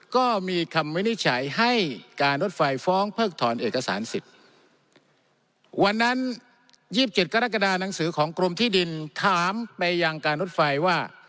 ก็มีคำวินิจฉัยให้การรถไฟฟ้องเพิกถอนเอกสารสิทธิ์วันนั้น๒๗กรกฎาหนังสือของกรมที่ดินถามไปยังการรถไฟว่า